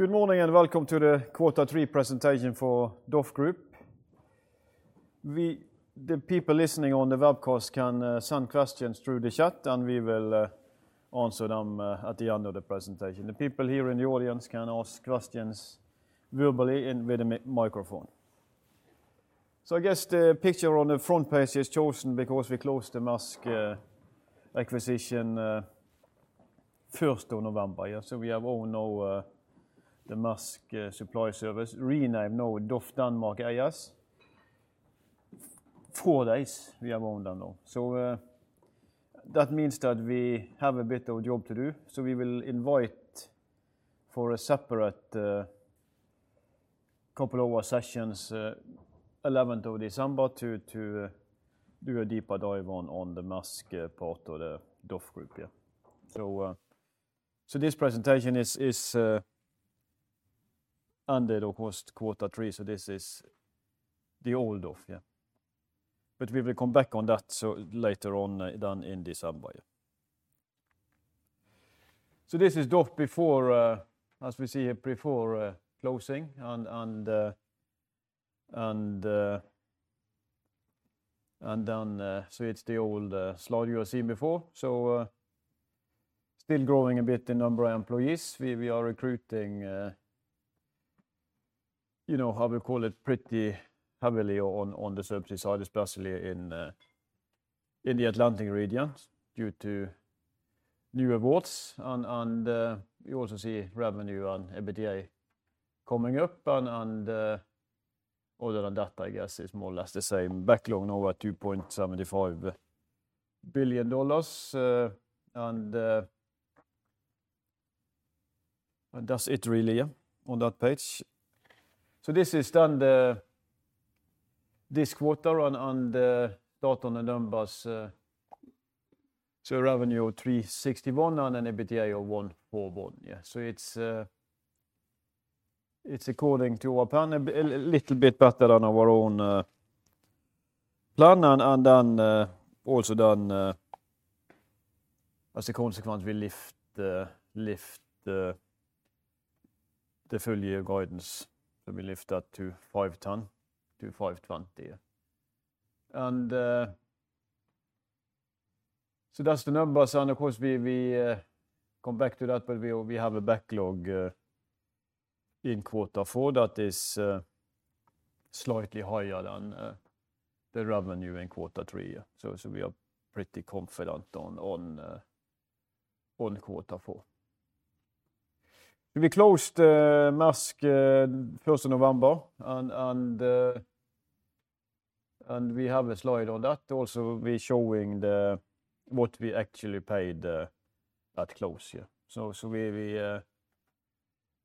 Good morning and Welcome to the Q3 Presentation for DOF Group. The people listening on the webcast can send questions through the chat, and we will answer them at the end of the presentation. The people here in the audience can ask questions verbally and with a microphone. So I guess the picture on the front page is chosen because we closed the Maersk acquisition 1st of November. So we have owned now the Maersk Supply Service, renamed now DOF Denmark A/S. Four days we have owned them now. So that means that we have a bit of job to do. So we will invite for a separate couple of our sessions on the 11th of December to do a deeper dive on the Maersk part of the DOF Group. So this presentation is ended of course Q3. So this is the old DOF. We will come back on that later on then in December. This is DOF before, as we see here before closing. It's the old slide you have seen before. Still growing a bit in number of employees. We are recruiting, you know, how we call it, pretty heavily on the service side, especially in the Atlantic region due to new awards. We also see revenue and EBITDA coming up. Other than that, I guess it's more or less the same. Backlog now at $2.75 billion. That's it really on that page. This is then this quarter and start on the numbers. Revenue of 361 and an EBITDA of 141. It's according to our plan, a little bit better than our own plan. Then also then as a consequence, we lift the full year guidance. So we lift that to 510. And so that's the numbers. And of course, we come back to that, but we have a backlog in Q4 that is slightly higher than the revenue in Q3. So we are pretty confident on Q4. We closed Maersk 1st of November. And we have a slide on that. Also, we're showing what we actually paid at close. So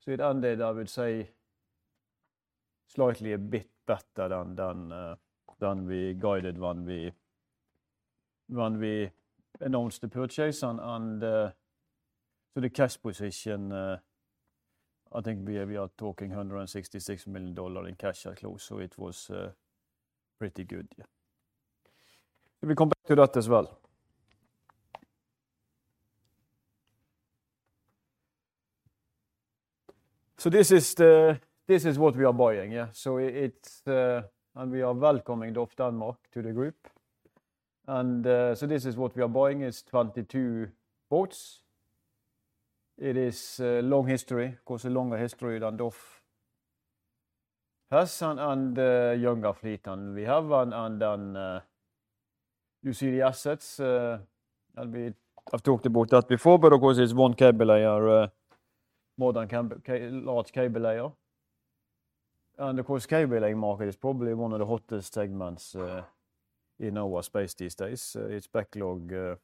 it ended, I would say, slightly a bit better than we guided when we announced the purchase. And so the cash position, I think we are talking $166 million in cash at close. So it was pretty good. We come back to that as well. So this is what we are buying. So we are welcoming DOF Denmark to the group. And so this is what we are buying, is 22 boats. It has a long history, of course, a longer history than DOF has and a younger fleet than we have. And then you see the assets. And we have talked about that before. But of course, it's one cable layer, modern large cable layer. And of course, cable laying market is probably one of the hottest segments in our space these days. Its backlog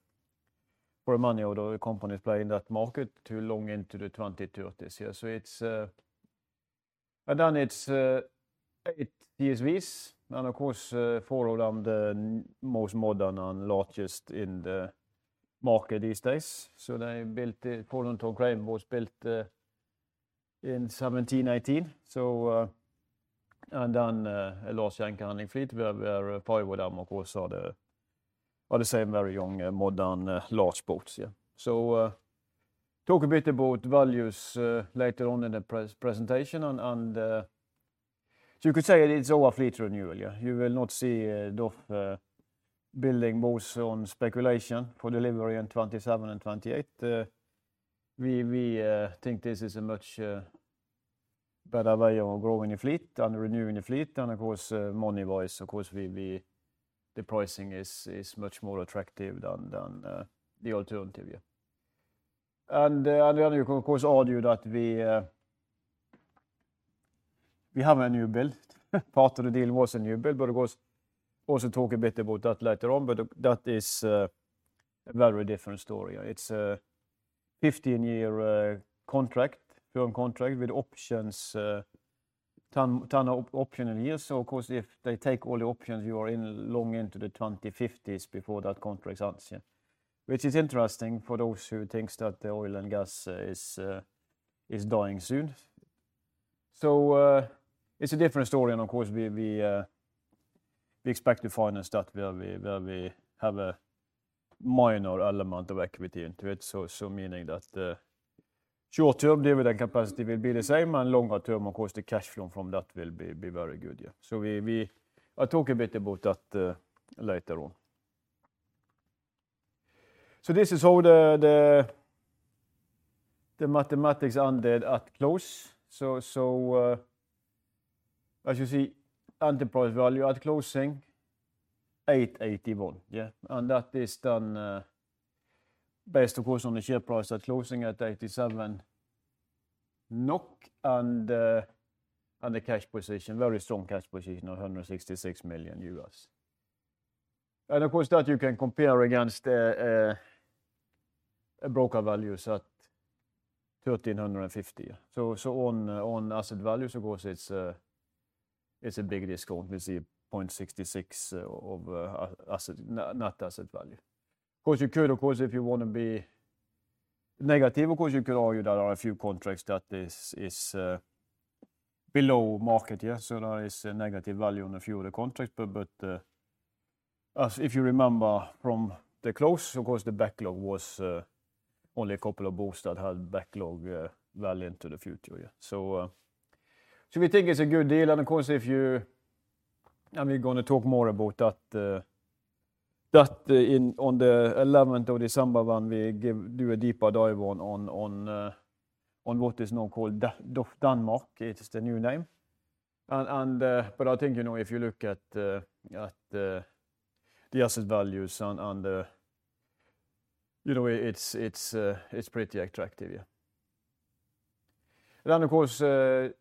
for many of the companies playing that market too long into the 2030s. And then it's eight DSVs. And of course, four of them are the most modern and largest in the market these days. So they built four of them. Two of them was built in 2017-18. And then a large anchor handling fleet where we have five of them of course are the same very young modern large boats. So talk a bit about values later on in the presentation. You could say it's our fleet renewal. You will not see DOF building most on speculation for delivery in 2027 and 2028. We think this is a much better way of growing the fleet and renewing the fleet. Of course, money-wise, of course, the pricing is much more attractive than the alternative. We are of course arguing that we have a new build. Part of the deal was a new build. Of course, we will also talk a bit about that later on. That is a very different story. It's a 15-year contract, firm contract with options, 10 optional years. Of course, if they take all the options, you are in long into the 2050s before that contract ends. This is interesting for those who think that the oil and gas is dying soon. It's a different story. Of course, we expect to finance that where we have a minor element of equity into it. So meaning that short term deal with that capacity will be the same. And longer term, of course, the cash flow from that will be very good. So I'll talk a bit about that later on. So this is how the mathematics ended at close. So as you see, enterprise value at closing $881. And that is then based of course on the share price at closing at 87 NOK NOK and the cash position, very strong cash position of 166 million. And of course, that you can compare against a broker value set $1,350. So on asset value, of course, it's a big discount. We see 0.66 of net asset value. Of course, you could, of course, if you want to be negative, of course, you could argue that there are a few contracts that is below market. So there is a negative value on a few of the contracts. But if you remember from the close, of course, the backlog was only a couple of boats that had backlog value into the future. So we think it's a good deal. And of course, if you, and we're going to talk more about that on the 11th of December when we do a deeper dive on what is now called DOF Denmark. It's the new name. But I think, you know, if you look at the asset values and you know, it's pretty attractive. And of course, that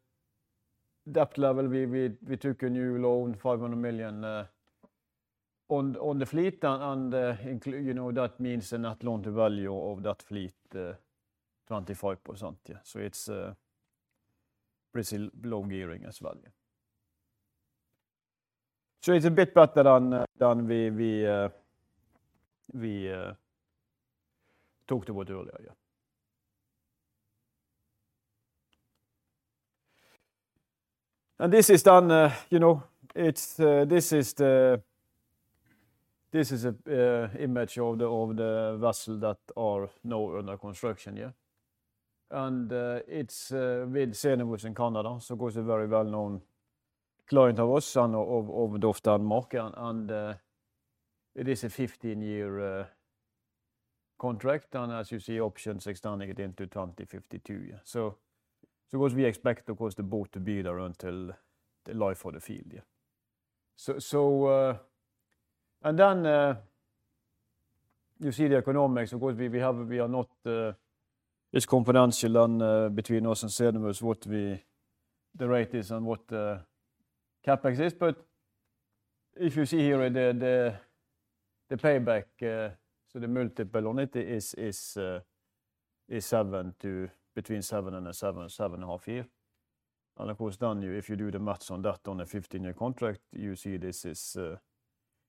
level, we took a new loan, $500 million on the fleet. And you know, that means a net loan to value of that fleet, 25%. So it's pretty low gearing as well. So it's a bit better than we talked about earlier. And this is then, you know, this is the image of the vessel that are now under construction. And it's with Cenovus in Canada. So of course, a very well-known client of us and of DOF Denmark. And it is a 15-year contract. And as you see, options extending it into 2052. So of course, we expect, of course, the boat to be there until the life of the field. And then you see the economics. Of course, we are not, it's confidential between us and Cenovus what the rate is and what the CapEx is. But if you see here, the payback, so the multiple on it is between seven and seven and a half years. And of course, then if you do the math on that on a 15-year contract, you see this is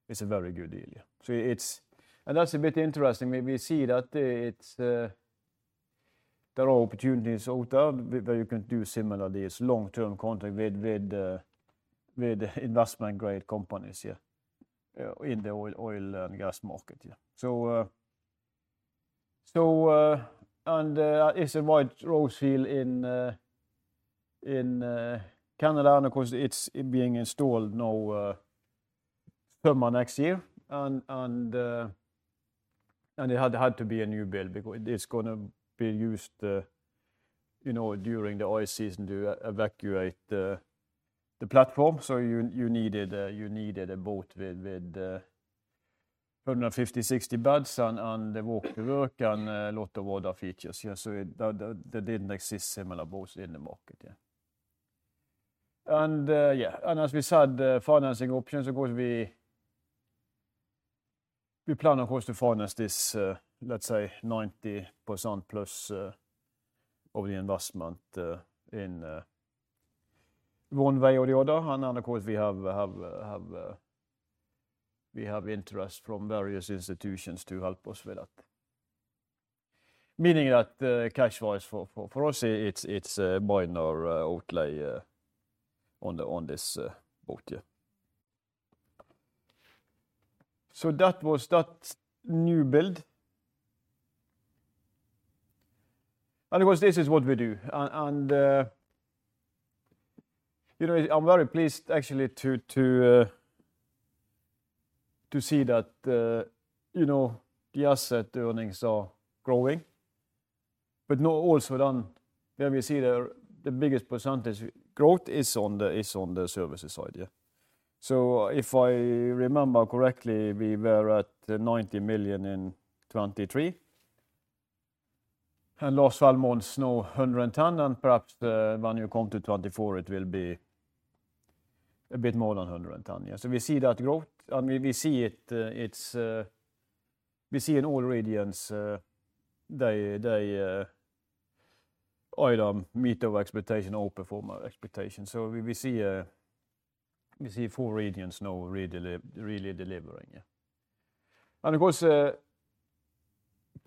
a very good deal. And that's a bit interesting. We see that there are opportunities out there where you can do similar deals, long-term contract with investment-grade companies in the oil and gas market. So and it's the White Rose field in Canada. And of course, it's being installed in summer next year. And it had to be a new build because it's going to be used during the ice season to evacuate the platform. So you needed a boat with 150-160 beds and the walk-to-work and a lot of other features. So there didn't exist similar boats in the market. Yeah, and as we said, financing options. Of course, we plan, of course, to finance this, let's say, 90% plus of the investment in one way or the other. And of course, we have interest from various institutions to help us with that. Meaning that cash-wise, for us, it's minor outlay on this boat. So that was that new build. And of course, this is what we do. And you know, I'm very pleased actually to see that, you know, the asset earnings are growing. But also then we see the biggest percentage growth is on the services side. So if I remember correctly, we were at $90 million in 2023. And last 12 months, now $110 million. And perhaps when you come to 2024, it will be a bit more than $110 million. So we see that growth. We see it. We see in all regions, they either meet our expectation or exceed our expectation. We see four regions now really delivering. Of course,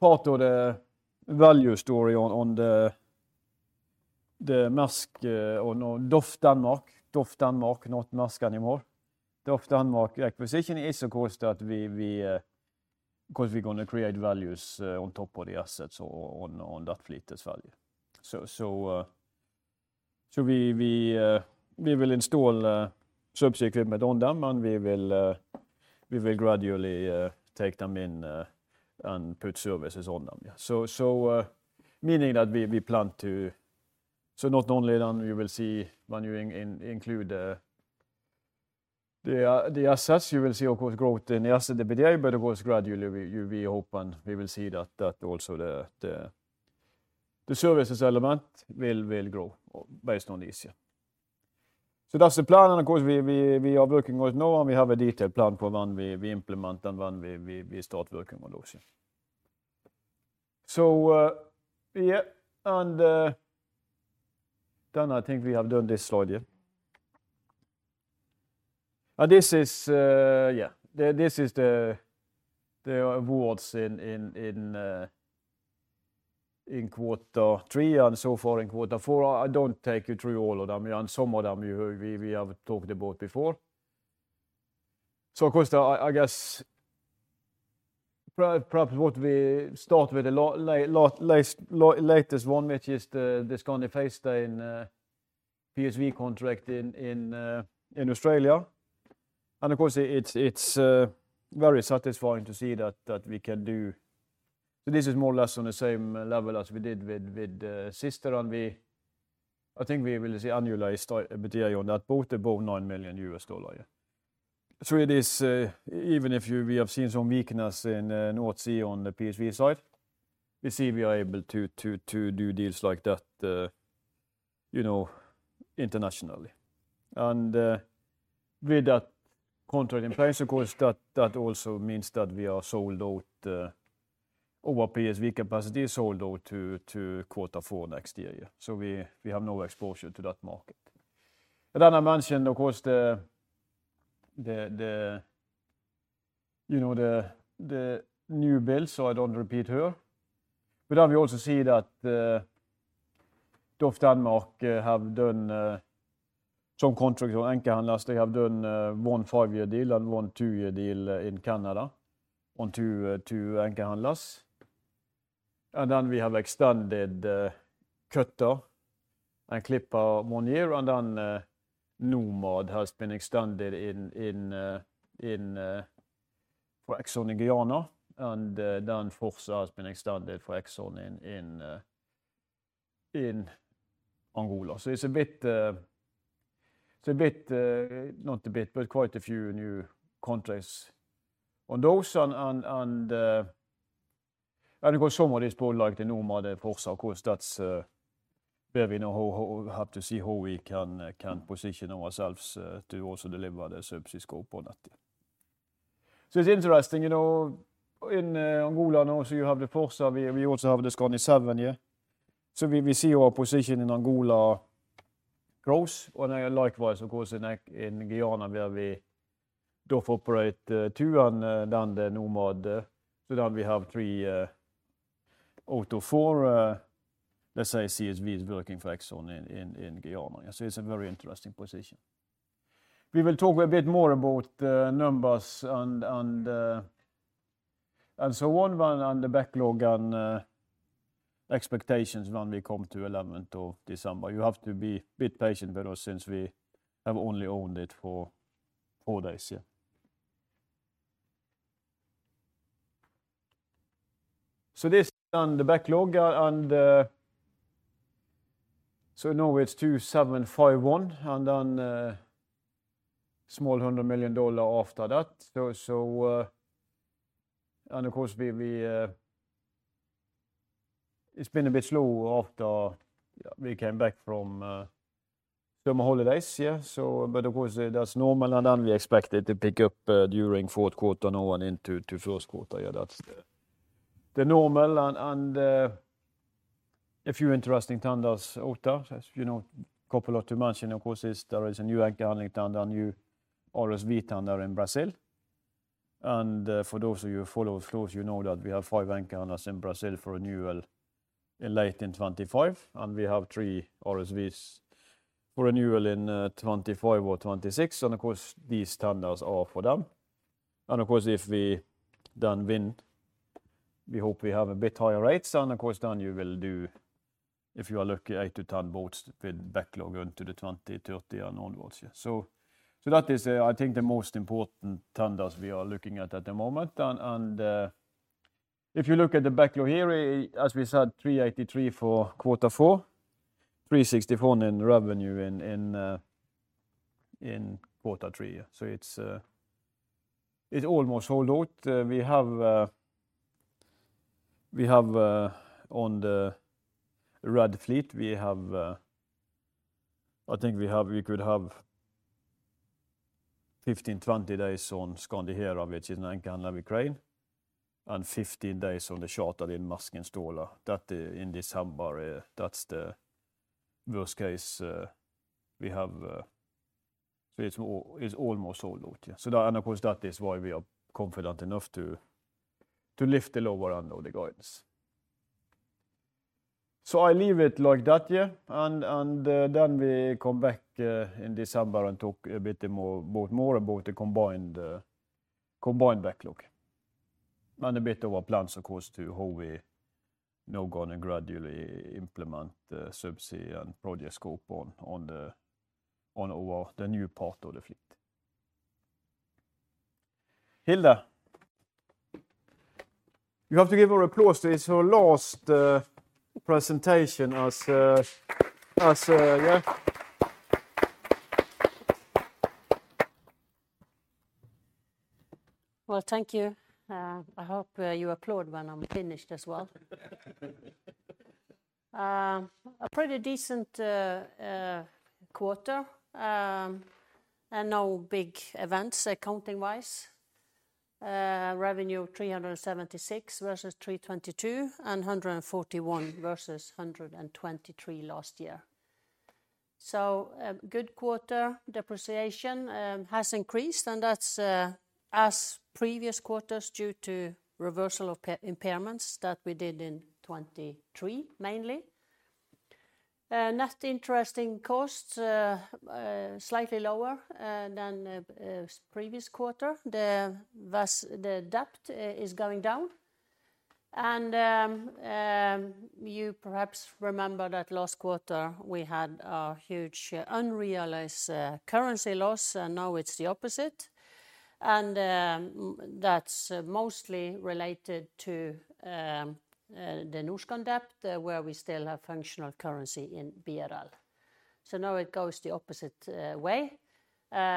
part of the value story on the Maersk on DOF Denmark, DOF Denmark, not Maersk anymore. DOF Denmark acquisition is, of course, that we are going to create values on top of the assets on that fleet as well. We will install subsea on them, and we will gradually take them in and put services on them. Meaning that we plan to. Not only then we will see when you include the assets, you will see of course growth in the asset EBITDA, but of course gradually we hope and we will see that also the services element will grow based on this. That's the plan. Of course, we are working right now, and we have a detailed plan for when we implement and when we start working on those. Yeah, and then I think we have done this slide here. This is, yeah, this is the awards in Q3 and so far in Q4. I don't take you through all of them. Some of them we have talked about before. Of course, I guess perhaps what we start with the latest one, which is this kind of five-year PSV contract in Australia. Of course, it's very satisfying to see that we can do. This is more or less on the same level as we did with sister. I think we will see annualized EBITDA on that boat, about $9 million. So it is, even if we have seen some weakness in North Sea on the PSV side, we see we are able to do deals like that, you know, internationally. And with that contract in place, of course, that also means that we are sold out, our PSV capacity is sold out to Q4 next year. So we have no exposure to that market. And then I mentioned, of course, the, you know, the new build, so I don't repeat here. But then we also see that DOF Denmark have done some contracts on Anchor Handlers. They have done one five-year deal and one two-year deal in Canada on two Anchor Handlers. And then we have extended Cutter and Clipper one year. And then Nomad has been extended in for Exxon in Guyana. And then Forza has been extended for Exxon in Angola. So it's a bit, not a bit, but quite a few new contracts on those. And of course, some of these boats like the Nomad, the Forza, of course, that's where we now have to see how we can position ourselves to also deliver the subsea scope on that. So it's interesting, you know, in Angola now, so you have the Forza, we also have the Skandi Seven here. So we see our position in Angola grows. And likewise, of course, in Guyana, where we DOF operate two and then the Nomad. So then we have three out of four, let's say, CSVs working for Exxon in Guyana. So it's a very interesting position. We will talk a bit more about numbers and so on, and the backlog and expectations when we come to 11th of December. You have to be a bit patient with us since we have only owned it for four days, so this is then the backlog. And so now it's $2,751 million and then some $100 million after that. So and of course, it's been a bit slow after we came back from summer holidays, so but of course, that's normal. And then we expect it to pick up during Q4 now and into Q1. Yeah, that's the normal. And a few interesting tenders out there. You know, a couple to mention, of course, there is a new Anchor Handling tender and new RSV tender in Brazil. And for those of you who follow the flows, you know that we have five Anchor Handlers in Brazil for renewal in late 2025. And we have three RSVs for renewal in 2025 or 2026. And of course, these tenders are for them. Of course, if we then win, we hope we have a bit higher rates. Of course, then you will do, if you are lucky, 8 to 10 boats with backlog on to the 20, 30 and onwards. That is, I think, the most important tenders we are looking at at the moment. If you look at the backlog here, as we said, 383 for Q4, 361 in revenue in Q3. It's almost sold out. We have on the red fleet; we have, I think we have, we could have 15-20 days on Skandi Hera, which is an anchor handler, you know, and 15 days on the charter in Maersk Installer. That in December, that's the worst case we have. It's almost sold out. That, and of course, that is why we are confident enough to lift the lower end of the guidance. I leave it like that here. Then we come back in December and talk a bit more about the combined backlog. And a bit of a plan, of course, to how we now going to gradually implement subsea and project scope on the new part of the fleet. Hilde, you have to give her applause. It's her last presentation as, yeah. Well, thank you. I hope you applaud when I'm finished as well. A pretty decent quarter and no big events accounting-wise. Revenue of $376 million versus $322 million and $141 million versus $123 million last year. So a good quarter. Depreciation has increased, and that's as previous quarters due to reversal of impairments that we did in 2023 mainly. Net interest costs slightly lower than previous quarter. The debt is going down, and you perhaps remember that last quarter we had a huge unrealized currency loss, and now it's the opposite. And that's mostly related to the Norskan debt, where we still have functional currency in BRL. So now it goes the opposite way.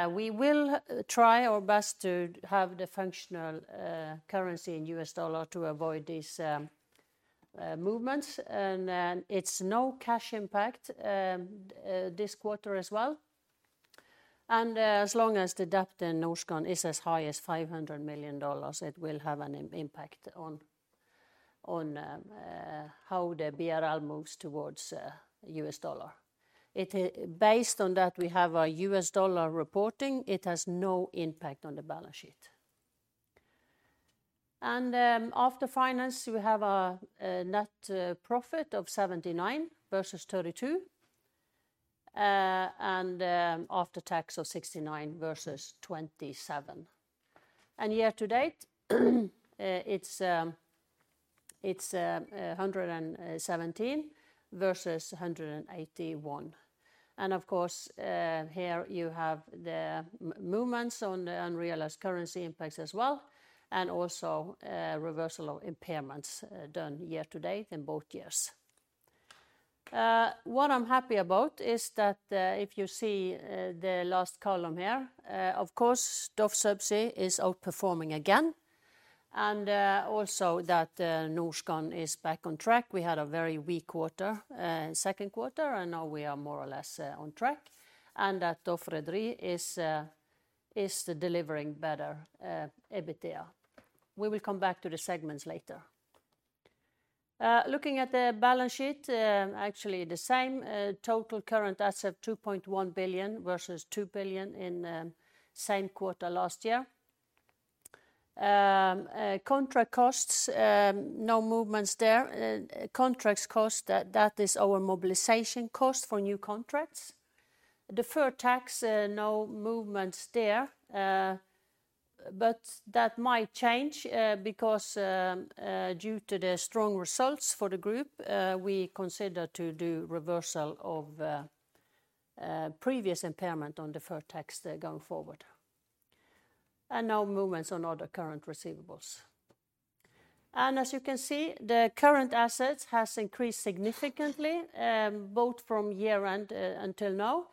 We will try our best to have the functional currency in U.S. dollar to avoid these movements, and it's no cash impact this quarter as well. And as long as the debt in Norskan is as high as $500 million, it will have an impact on how the BRL moves towards U.S. dollar. Based on that, we have a U.S. dollar reporting. It has no impact on the balance sheet, and after finance, we have a net profit of 79 versus 32, and after tax of 69 versus 27. And year to date, it's 117 versus 181. Of course, here you have the movements on the unrealized currency impacts as well, and also reversal of impairments done year to date in both years. What I'm happy about is that if you see the last column here, of course, DOF Subsea is outperforming again. And also that Norskan is back on track. We had a very weak quarter, Q2, and now we are more or less on track. And that DOF Rederi is delivering better EBITDA. We will come back to the segments later. Looking at the balance sheet, actually the same. Total current asset $2.1 billion versus $2 billion in same quarter last year. Contract costs, no movements there. Contract cost, that is our mobilization cost for new contracts. Deferred tax, no movements there. But that might change because due to the strong results for the group, we consider to do reversal of previous impairment on deferred tax going forward. And no movements on other current receivables. And as you can see, the current assets has increased significantly, both from year-end until now.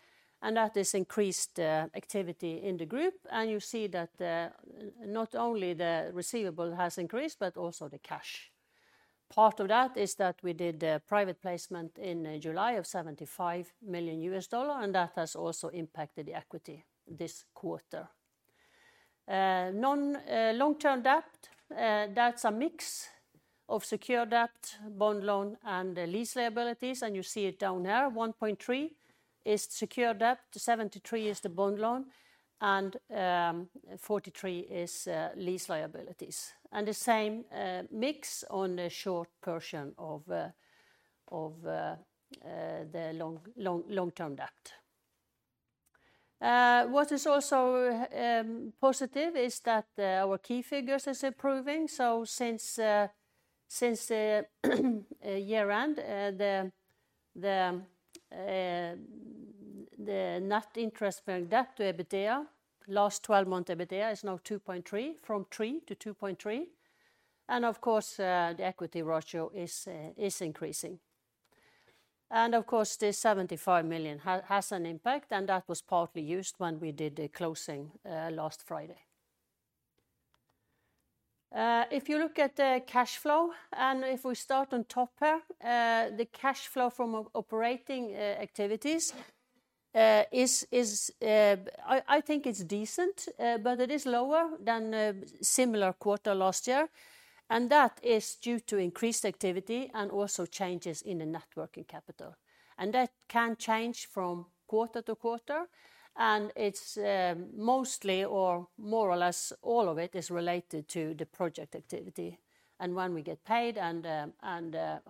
And that is increased activity in the group. And you see that not only the receivable has increased, but also the cash. Part of that is that we did private placement in July of $75 million, and that has also impacted the equity this quarter. Long-term debt, that's a mix of secure debt, bond loan, and lease liabilities. And you see it down here, 1.3 is secure debt, 73 is the bond loan, and 43 is lease liabilities. And the same mix on the short portion of the long-term debt. What is also positive is that our key figures are improving, so since year-end, the net interest-bearing debt to EBITDA, last 12-month EBITDA is now 2.3 from 3 to 2.3, and of course, the equity ratio is increasing, and of course, the $75 million has an impact, and that was partly used when we did the closing last Friday. If you look at the cash flow, and if we start on top here, the cash flow from operating activities is, I think it's decent, but it is lower than a similar quarter last year, and that is due to increased activity and also changes in the working capital. And that can change from quarter to quarter, and it's mostly, or more or less all of it is related to the project activity and when we get paid and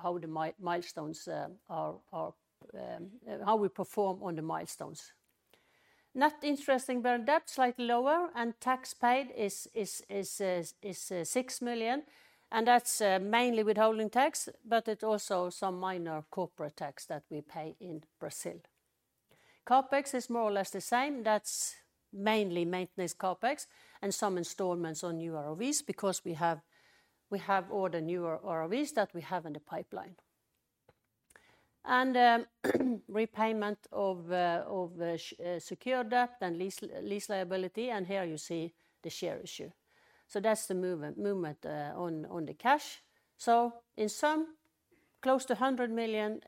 how the milestones are, how we perform on the milestones. Net interest-bearing debt is slightly lower, and tax paid is $6 million. That's mainly withholding tax, but it's also some minor corporate tax that we pay in Brazil. Capex is more or less the same. That's mainly maintenance Capex and some installments on new ROVs because we have ordered newer ROVs that we have in the pipeline, and repayment of secured debt and lease liability. Here you see the share issue. That's the movement on the cash. In sum, close to $100 million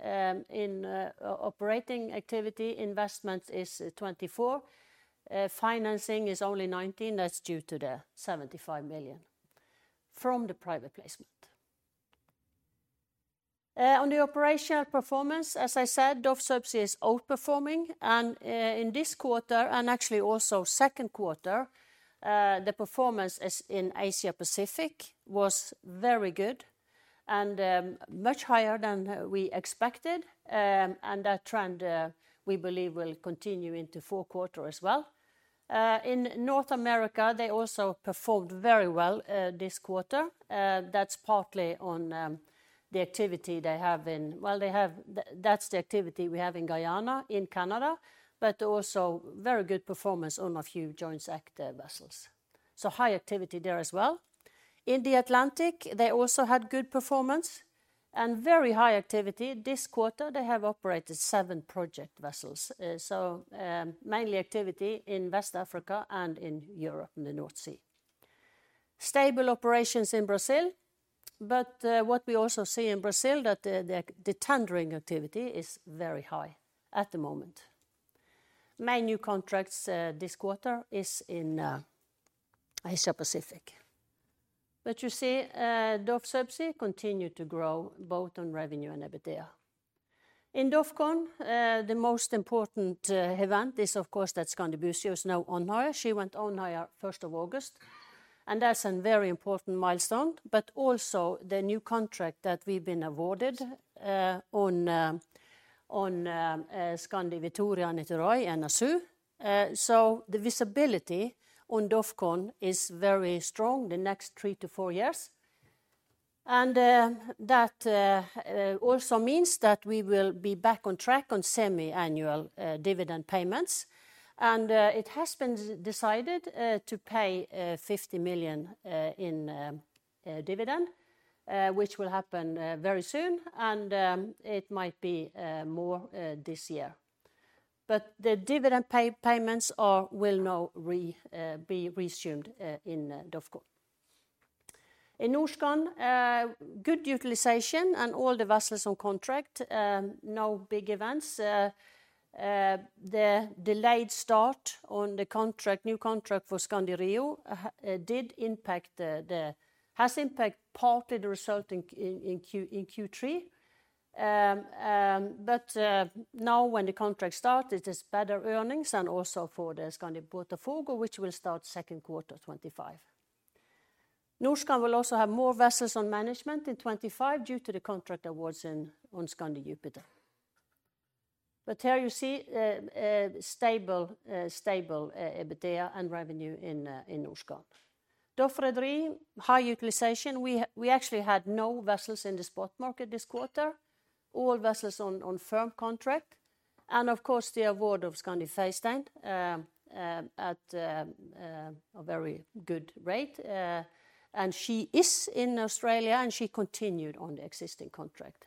in operating activity, investment is $24 million. Financing is only $19 million. That's due to the $75 million from the private placement. On the operational performance, as I said, DOF Subsea is outperforming. In this quarter, and actually also Q2, the performance in Asia-Pacific was very good and much higher than we expected. That trend we believe will continue into Q4 as well. In North America, they also performed very well this quarter. That's partly on the activity they have in, well, they have, that's the activity we have in Guyana, in Canada, but also very good performance on a few joint sector vessels. High activity there as well. In the Atlantic, they also had good performance and very high activity. This quarter, they have operated seven project vessels. Mainly activity in West Africa and in Europe and the North Sea. Stable operations in Brazil. What we also see in Brazil, that the tendering activity is very high at the moment. Main new contracts this quarter is in Asia-Pacific. You see, DOF Subsea continued to grow both on revenue and EBITDA. In DOFCON, the most important event is, of course, that Skandi Buzios now on hire. She went on hire 1st of August. That is a very important milestone. The new contract that we have been awarded on Skandi Vitoria and Norskan also contributes. The visibility on DOFCON is very strong the next three to four years. That also means that we will be back on track on semi-annual dividend payments. It has been decided to pay $50 million in dividend, which will happen very soon. It might be more this year. The dividend payments will now be resumed in DOFCON. In Norskan, good utilization and all the vessels on contract. No big events. The delayed start on the new contract for Skandi Rio has impacted partly the result in Q3. Now when the contract started, it is better earnings and also for the Skandi Botafogo, which will start Q2 2025. Norskan will also have more vessels on management in 2025 due to the contract awards on Skandi Jupiter, but here you see stable EBITDA and revenue in Norskan. DOF Rederi, high utilization. We actually had no vessels in the spot market this quarter. All vessels on firm contract. Of course, the award of Skandi Feistein at a very good rate. She is in Australia and she continued on the existing contract.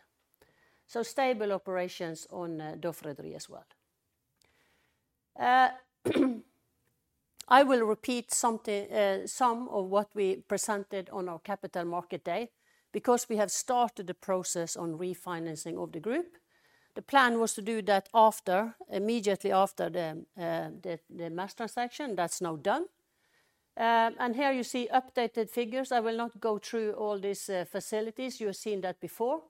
Stable operations on DOF Rederi as well. I will repeat some of what we presented on our capital market day because we have started the process on refinancing of the group. The plan was to do that immediately after the Maersk transaction. That's now done. Here you see updated figures. I will not go through all these facilities. You have seen that before.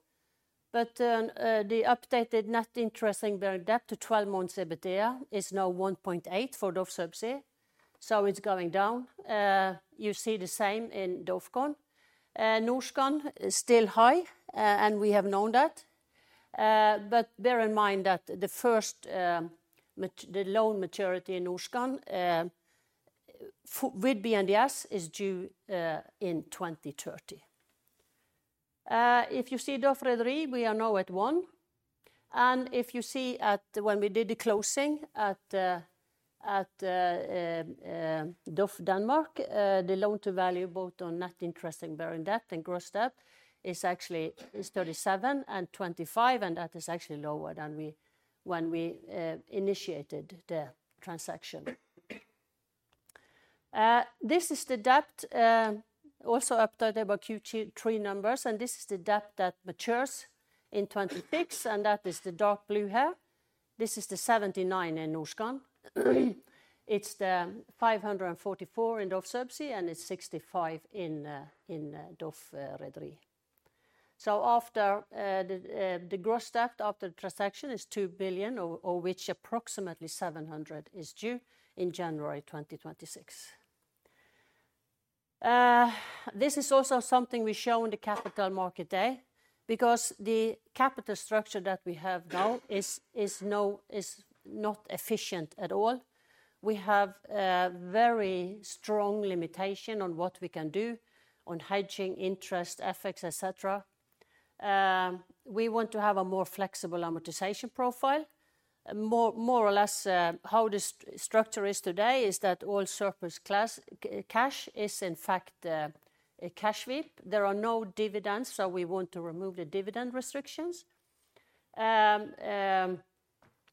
But the updated net interest-bearing debt to 12-month EBITDA is now 1.8 for DOF Subsea. So it's going down. You see the same in DOFCON. Norskan is still high and we have known that. But bear in mind that the loan maturity in Norskan with BNDES is due in 2030. If you see DOF Rederi, we are now at one. And if you see when we did the closing at DOF Denmark, the loan to value both on net interest-bearing debt and gross debt is actually 37 and 25. And that is actually lower than when we initiated the transaction. This is the debt also updated by Q3 numbers. And this is the debt that matures in 2026. And that is the dark blue here. This is the 79 in Norskan. It's the 544 in DOF Subsea and it's 65 in DOF Rederi. So after the gross debt after the transaction is $2 billion, of which approximately $700 million is due in January 2026. This is also something we show on the capital market day because the capital structure that we have now is not efficient at all. We have a very strong limitation on what we can do on hedging, interest, FX, etc. We want to have a more flexible amortization profile. More or less, how the structure is today is that all surplus cash is in fact a cash trap. There are no dividends, so we want to remove the dividend restrictions.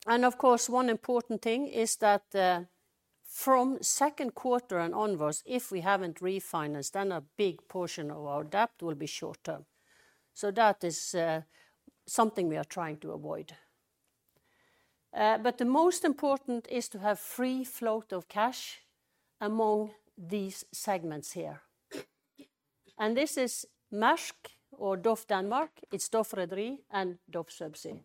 And of course, one important thing is that from Q2 and onwards, if we haven't refinanced, then a big portion of our debt will be short term. So that is something we are trying to avoid. But the most important is to have free float of cash among these segments here. And this is Maersk or DOF Denmark. It's DOF Rederi and DOF Subsea.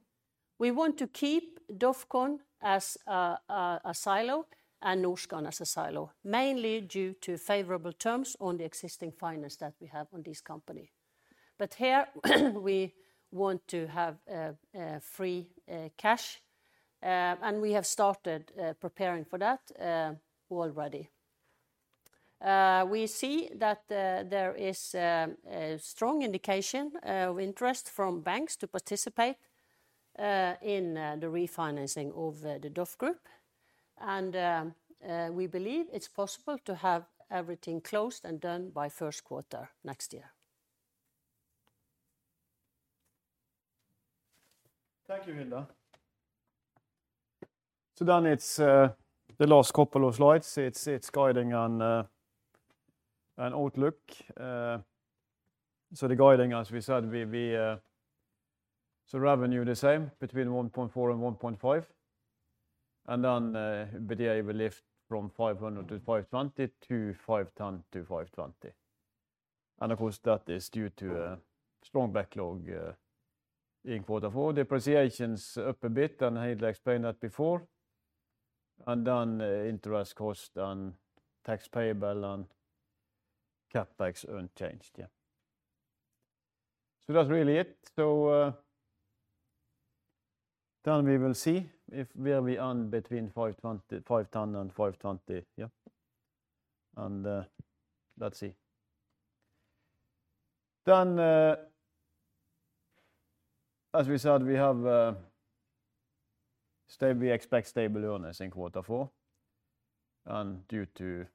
We want to keep DOFCON as a silo and Norskan as a silo, mainly due to favorable terms on the existing finance that we have on this company. But here we want to have free cash. And we have started preparing for that already. We see that there is a strong indication of interest from banks to participate in the refinancing of the DOF Group. And we believe it's possible to have everything closed and done by Q1 next year. Thank you, Hilde. So then it's the last couple of slides. It's guiding an outlook. So the guiding, as we said, so revenue the same between 1.4 and 1.5. Then EBITDA will lift from 500 to 520 to 510 to 520. And of course, that is due to a strong backlog in Q4 Depreciation's up a bit. And I explained that before. And then interest cost and tax payable and CapEx unchanged. Yeah. So that's really it. So then we will see where we are between 510 and 520. Yeah. And let's see. Then, as we said, we expect stable earnings in Q4 And due to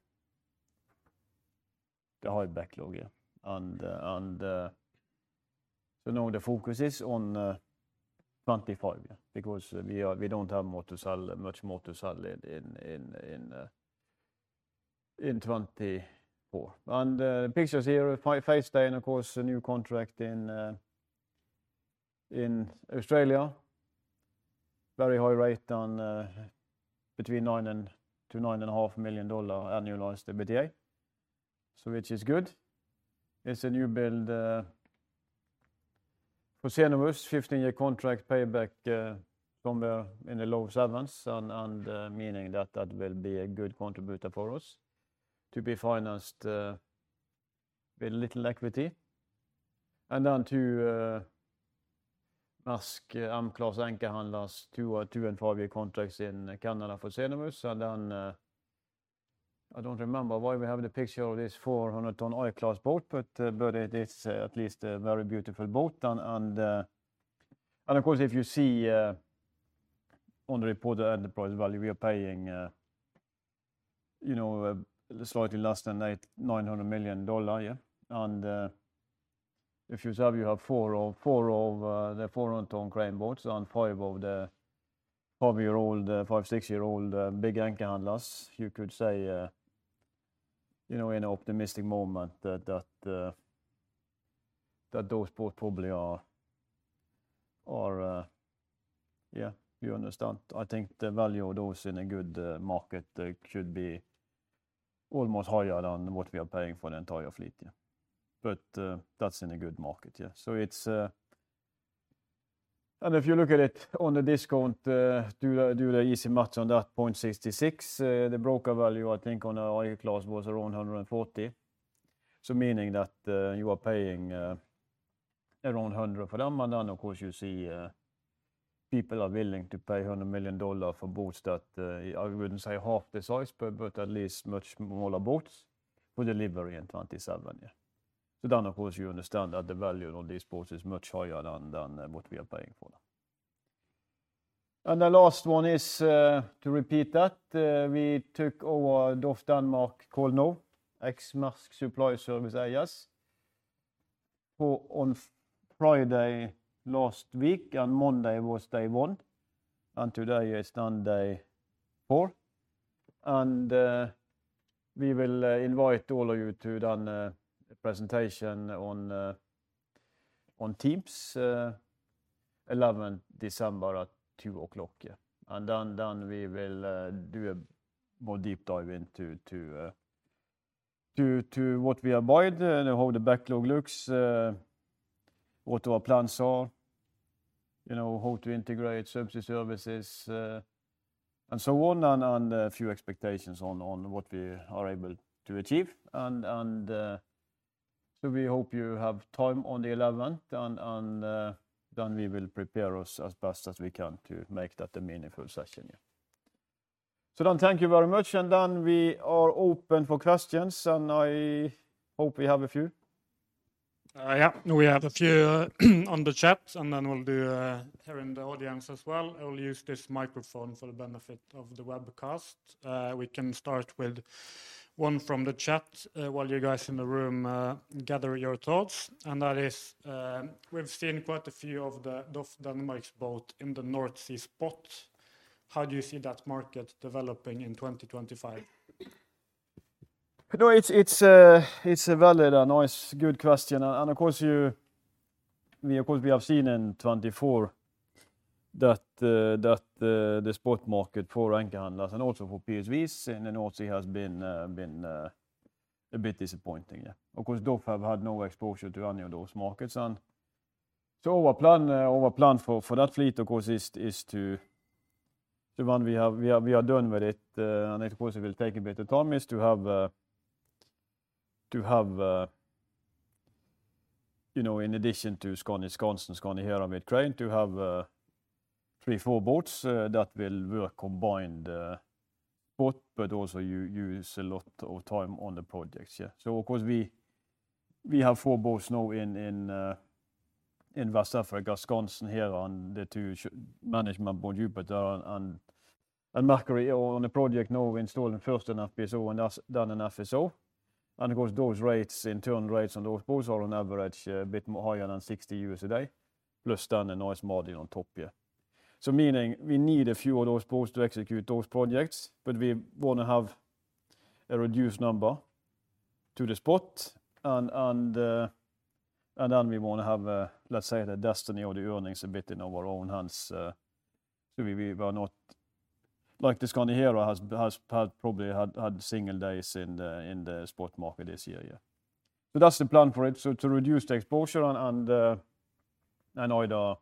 the high backlog. And so now the focus is on 2025 because we don't have much more to sell in 2024. And the pictures here, Feistein, of course, a new contract in Australia. Very high rate on between $9-$9.5 million annualized EBITDA. So which is good. It's a new build for Cenovus, 15-year contract payback somewhere in the low sevens. Meaning that that will be a good contributor for us to be financed with little equity. Then to Maersk M-class anchor handlers, two- and five-year contracts in Canada for Cenovus. Then I don't remember why we have the picture of this 400-ton I-class boat, but it's at least a very beautiful boat. Of course, if you see on the reported enterprise value, we are paying slightly less than $900 million. If you say you have four of the 400-ton crane boats and five of the five-year-old, five- to six-year-old big anchor handlers, you could say in an optimistic moment that those boats probably are, yeah, you understand. I think the value of those in a good market should be almost higher than what we are paying for the entire fleet. That's in a good market. Yeah. So it's, and if you look at it on the discount, do the easy math on that 0.66, the broker value. I think on the I-class was around 140. So meaning that you are paying around 100 for them. And then of course, you see people are willing to pay $100 million for boats that I wouldn't say half the size, but at least much smaller boats for delivery in 2027. So then of course, you understand that the value of these boats is much higher than what we are paying for them. And the last one is to repeat that. We took our DOF Denmark call now, ex-Maersk Supply Service AS, on Friday last week and Monday was day one. And today is then day four. And we will invite all of you to then a presentation on Teams 11 December at 2:00 P.M. And then we will do a more deep dive into what we have built, how the backlog looks, what our plans are, how to integrate subsea services and so on, and a few expectations on what we are able to achieve. And so we hope you have time on the 11th. And then we will prepare us as best as we can to make that a meaningful session. So then thank you very much. And then we are open for questions. And I hope we have a few. Yeah, we have a few on the chat. And then we'll do here in the audience as well. I'll use this microphone for the benefit of the webcast. We can start with one from the chat while you guys in the room gather your thoughts. And that is, we've seen quite a few of the DOF Denmark's boats in the North Sea spot. How do you see that market developing in 2025? No, it's a valid and nice good question. And of course, we have seen in 2024 that the spot market for anchor handlers and also for PSVs in the North Sea has been a bit disappointing. Of course, DOF have had no exposure to any of those markets. And so our plan for that fleet, of course, is to, when we are done with it, and of course, we will take a bit of time is to have, in addition to Skandi Skansen and Skandi Hera with crane, to have three, four boats that will work combined spot, but also use a lot of time on the projects. Of course, we have four boats now: Skandi Vega, Skandi Skansen, and Skandi Hera that do management, Skandi Jupiter and Skandi Mermaid on the project now installing first an FPSO and then an FSO. Of course, those rates, internal rates on those boats are on average a bit more higher than $60,000 a day, plus then a nice margin on top. Meaning we need a few of those boats to execute those projects, but we want to have a reduced number to the spot. Then we want to have, let's say, the destiny of the earnings a bit in our own hands. We were not like the Skandi Heron has probably had single days in the spot market this year. That's the plan for it. To reduce the exposure and either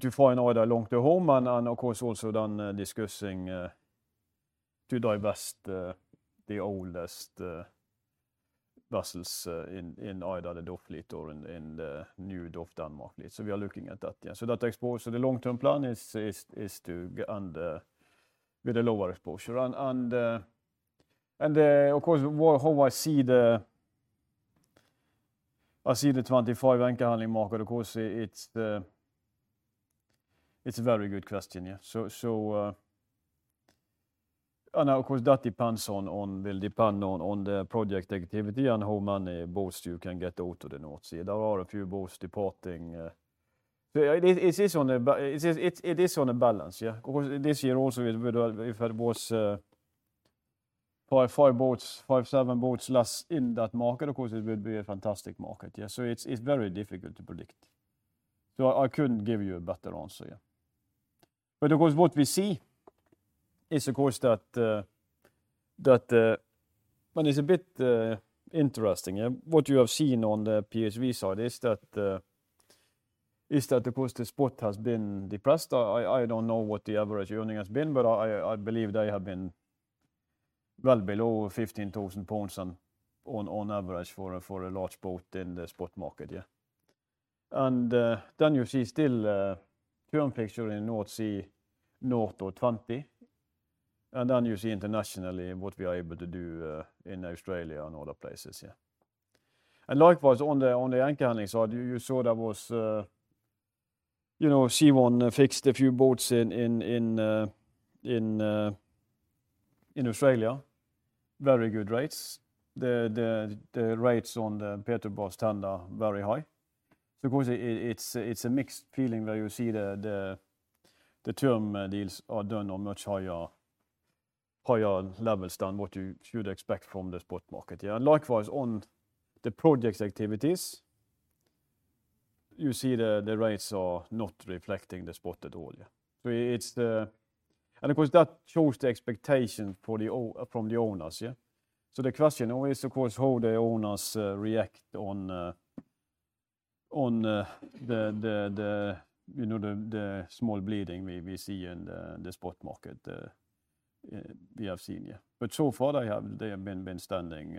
to find either long-term home. And of course, also then discussing to divest the oldest vessels in either the DOF fleet or in the new DOF Denmark fleet. So we are looking at that. So that exposure, the long-term plan is to get with a lower exposure. And of course, how I see the 25 anchor handling market, of course, it's a very good question. So of course, that depends on, will depend on the project activity and how many boats you can get out of the North Sea. There are a few boats departing. So it is on a balance. Of course, this year also if I was five boats, five seven boats less in that market, of course, it would be a fantastic market. So it's very difficult to predict. So I couldn't give you a better answer. But of course, what we see is of course that when it's a bit interesting, what you have seen on the PSV side is that of course the spot has been depressed. I don't know what the average earning has been, but I believe they have been well below 15,000 pounds on average for a large boat in the spot market. And then you see the still current picture in North Sea, now over 20. And then you see internationally what we are able to do in Australia and other places. And likewise on the anchor handling side, you saw there was Sea1 fixed a few boats in Australia. Very good rates. The rates on the Petrobras standard are very high. So of course, it's a mixed feeling where you see the term deals are done on much higher levels than what you should expect from the spot market. And likewise on the project activities, you see the rates are not reflecting the spot at all. And of course, that shows the expectation from the owners. So the question is of course how the owners react on the small bleeding we see in the spot market we have seen. But so far they have been standing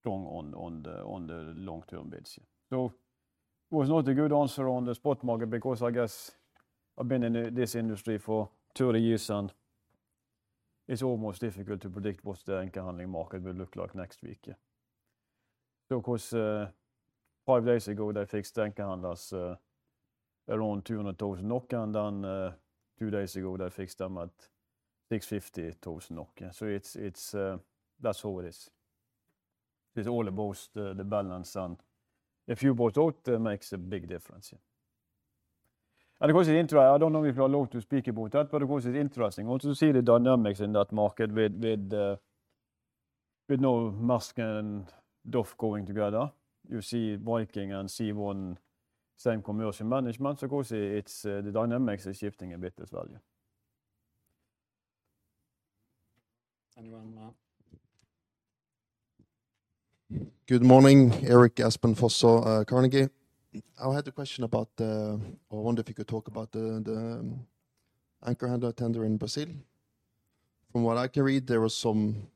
strong on the long-term bids. So it was not a good answer on the spot market because I guess I've been in this industry for 30 years and it's almost difficult to predict what the anchor handling market will look like next week. So of course, five days ago they fixed anchor handlers around 200,000 NOK and then two days ago they fixed them at 650,000. So that's how it is. It's all about the balance and a few boats out makes a big difference. And of course, it's interesting. I don't know if you've got a long-term spot market boat yet, but of course it's interesting. Also, see the dynamics in that market with now Maersk and DOF going together. You see Viking and Sea1 same commercial management. So of course, the dynamics is shifting a bit as well. Anyone? Good morning, Eirik Aspén Fosså, Carnegie. I had a question about the, or I wonder if you could talk about the anchor handler tender in Brazil. From what I can read, there were some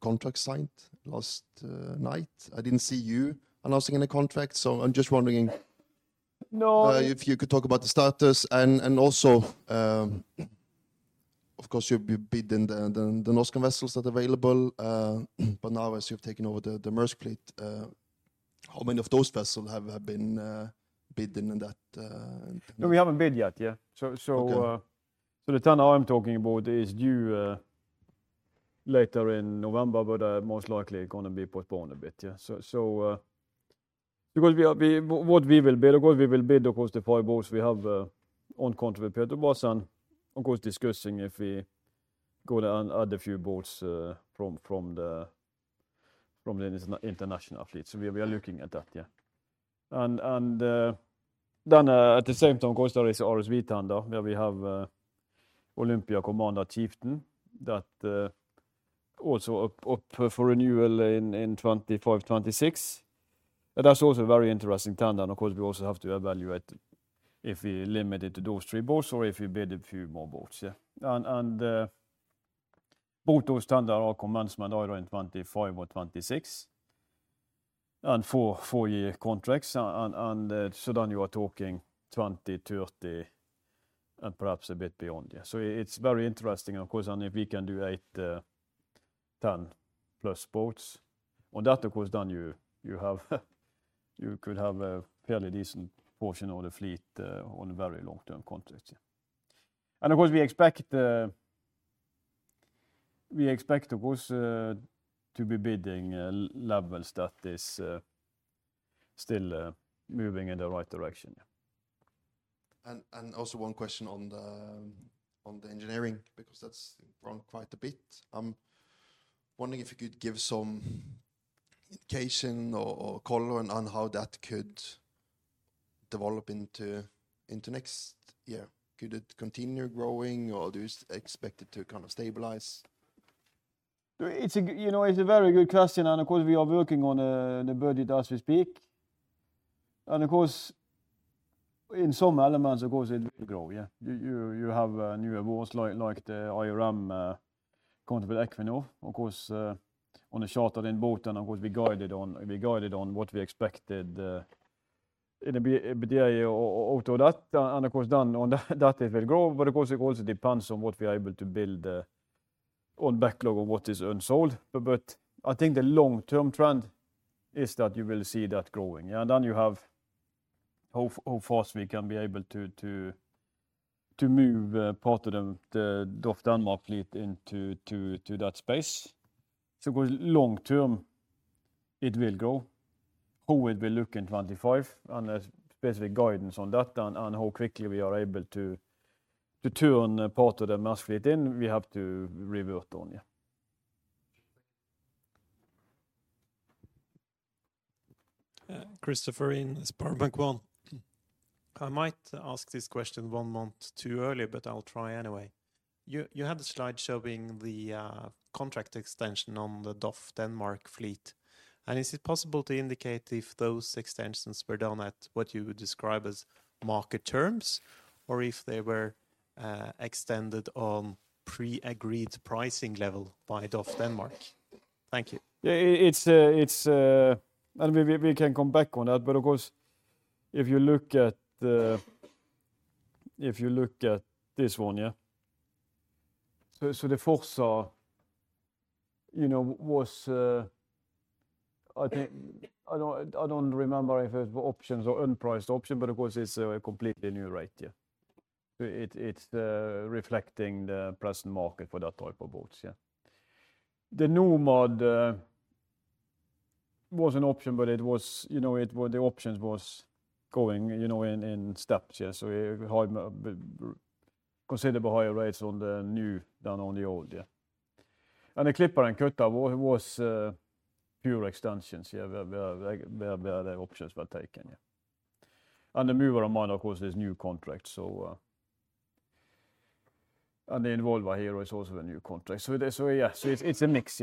contracts signed last night. I didn't see you announcing any contracts. So I'm just wondering if you could talk about the status and also, of course, you've bidden the Norskan vessels that are available. But now, as you've taken over the Maersk fleet, how many of those vessels have been bidden in that? We haven't bid yet. So the tender I'm talking about is due later in November, but most likely going to be postponed a bit. So of course, what we will bid, of course, we will bid across the five boats we have on contract with Petrobras and of course discussing if we go to add a few boats from the international fleet. So we are looking at that. And then at the same time, of course, there is RSV tender where we have Skandi Olympia, Skandi Commander, Skandi Chieftain that also up for renewal in 2025-2026. That's also a very interesting tender. And of course, we also have to evaluate if we limit it to those three boats or if we bid a few more boats. And both those tenders commence either in 2025 or 2026 and four-year contracts. And so then you are talking 20, 30, and perhaps a bit beyond. It's very interesting, of course, and if we can do eight, 10 plus boats. On that, of course, then you could have a fairly decent portion of the fleet on a very long-term contract. Of course, we expect to be bidding levels that is still moving in the right direction. Also one question on the engineering, because that's grown quite a bit. I'm wondering if you could give some indication or color on how that could develop into next year. Could it continue growing or do you expect it to kind of stabilize? It's a very good question. Of course, we are working on the budget as we speak. Of course, in some elements, of course, it will grow. You have new awards like the IRM contract with Equinor. Of course, on the charter in boating, of course, we guided on what we expected in the EBITDA outlook. And of course, then on that, it will grow. But of course, it also depends on what we are able to build on backlog of what is unsold. But I think the long-term trend is that you will see that growing. And then you have how fast we can be able to move part of the DOF Denmark fleet into that space. So of course, long-term, it will grow. How it will look in 25 and the specific guidance on that and how quickly we are able to turn part of the Maersk fleet in, we have to revert on. Christopher from SpareBank 1. I might ask this question one month too early, but I'll try anyway. You had a slide showing the contract extension on the DOF Denmark fleet. Is it possible to indicate if those extensions were done at what you would describe as market terms or if they were extended on pre-agreed pricing level by DOF Denmark? Thank you. Yeah, and we can come back on that, but of course, if you look at this one. So the first was, I don't remember if it was options or unpriced option, but of course, it's a completely new rate. So it's reflecting the present market for that type of boats. The Nomad was an option, but it was, the options was going in steps. So considerably higher rates on the new than on the old. And the Clipper and Cutter was pure extensions where the options were taken. And the Maersk Involver, of course, is new contracts. And the Involver here is also a new contract. So yeah, it's a mix.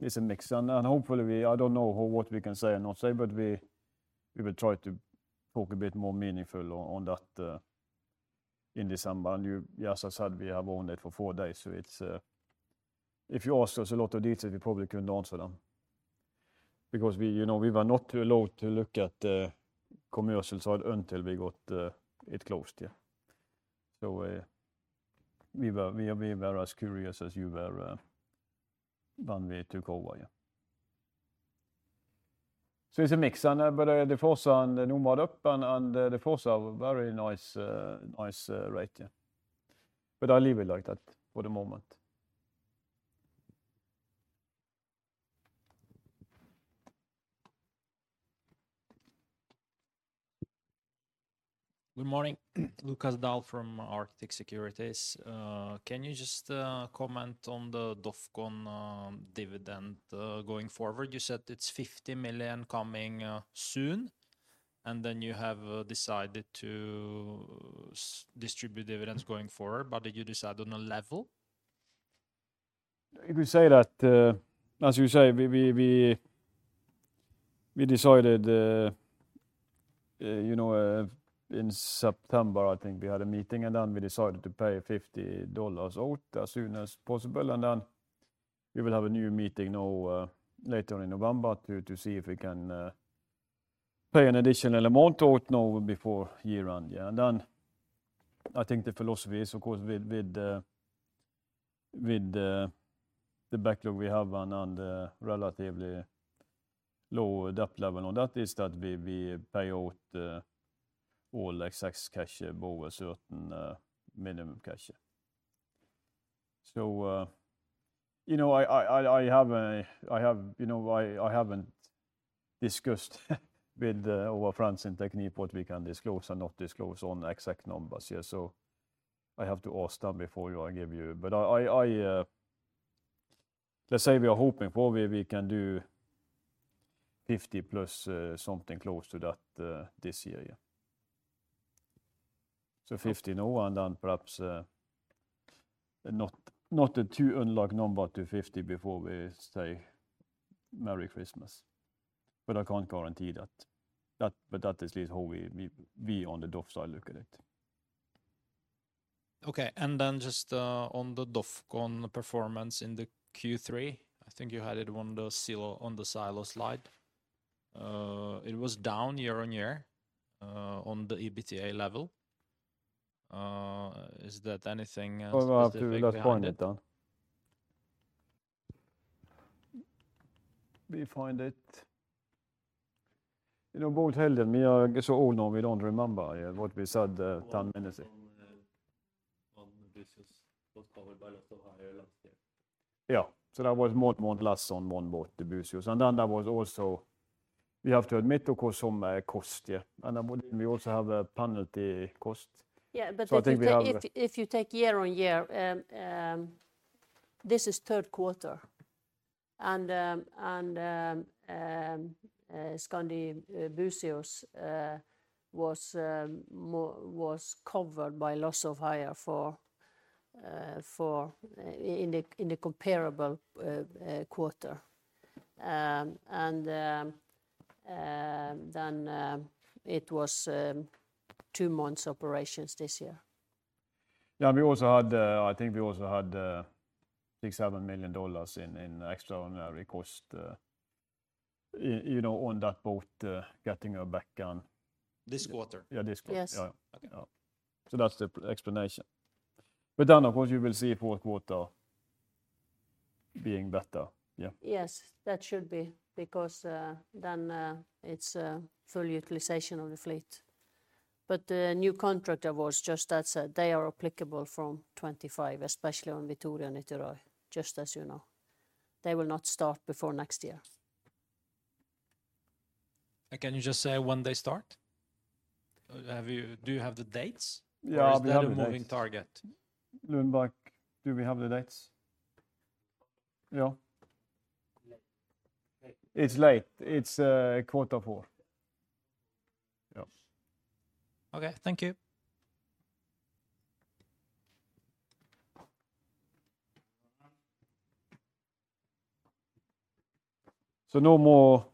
It's a mix. And hopefully, I don't know what we can say and not say, but we will try to talk a bit more meaningful on that in December. And as I said, we have owned it for four days. So if you ask us a lot of details, we probably couldn't answer them. Because we were not allowed to look at commercial side until we got it closed. So we were as curious as you were when we took over. So it's a mix. And the force and the NOMAD up and the force are very nice rate. But I leave it like that for the moment. Good morning. Lukas Daul from Arctic Securities. Can you just comment on the DOFCON dividend going forward? You said it's $50 million coming soon. And then you have decided to distribute dividends going forward. But did you decide on a level? We say that, as you say, we decided in September. I think we had a meeting and then we decided to pay $50 out as soon as possible. And then we will have a new meeting now later in November to see if we can pay an additional amount out now before year end. And then I think the philosophy is, of course, with the backlog we have and relatively low debt level on that is that we pay out all excess cash, both certain minimum cash. So I have, I haven't discussed with our friends in TechnipFMC what we can disclose and not disclose on exact numbers. So I have to ask them before I give you. But let's say we are hoping for we can do 50 plus something close to that this year. So 50 now and then perhaps not too unlike a number to 50 before we say Merry Christmas. But I can't guarantee that. But that is how we on the DOF side look at it. Okay. And then just on the DOFCON performance in the Q3, I think you had it on the silo slide. It was down year-on-year on the EBITDA level. Is that anything? Let's find it then. We find it. Both held, we are so old now we don't remember what we said 10 minutes ago. On the Buzios, was covered by a lot higher last year. Yeah. So that was more or less on one boat, the Buzios. And then there was also, we have to admit, of course, some cost. And then we also have a penalty cost. Yeah, but if you take year-on-year, this is Q3. Skandi Buzios was covered by lots of higher for in the comparable quarter. Then it was two months operations this year. Yeah, and we also had, I think we also had $6 million in extraordinary cost on that boat getting a back end. This quarter? Yeah, this quarter. Yes. Okay. So that's the explanation. Then of course you will see Q4 being better. Yes, that should be because then it's a full utilization of the fleet. The new contractor was just that said, they are applicable from 2025, especially on Vitoria and Niterói, just as you know. They will not start before next year. Can you just say when they start? Do you have the dates? Yeah, it's a moving target. Lundberg, do we have the dates? Yeah. It's late. It's Q4. Okay, thank you. So no more.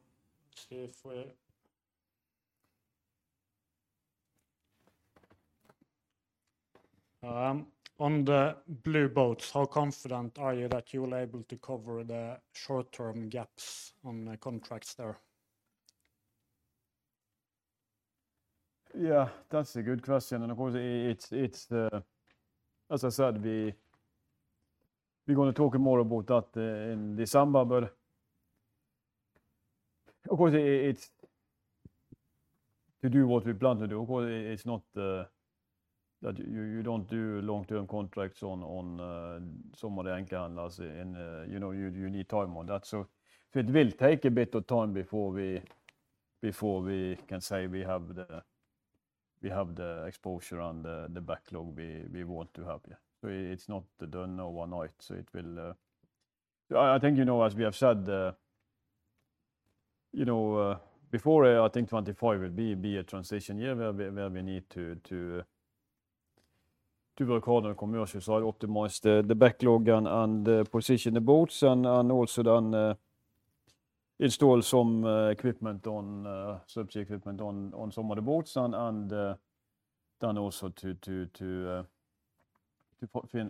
On the blue boats, how confident are you that you'll be able to cover the short-term gaps on the contracts there? Yeah, that's a good question. And of course, it's, as I said, we're going to talk more about that in December. But of course, it's to do what we plan to do. Of course, it's not that you don't do long-term contracts on some of the anchor handlers. You need time on that. So it will take a bit of time before we can say we have the exposure and the backlog we want to have. So it's not done overnight. So it will, I think, as we have said before, I think 25 will be a transition year where we need to work on the commercial side, optimize the backlog and position the boats, and also then install some equipment on some of the boats, and then also to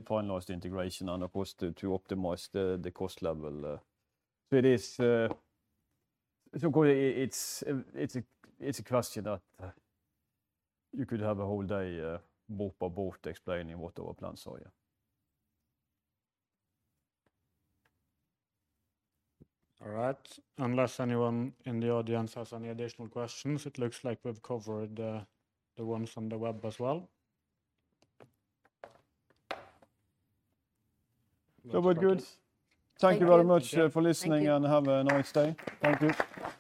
finalize the integration and, of course, to optimize the cost level. So it is, of course. It's a question that you could have a whole day both by both explaining what our plans are. All right. Unless anyone in the audience has any additional questions, it looks like we've covered the ones on the web as well. So we're good. Thank you very much for listening and have a nice day. Thank you.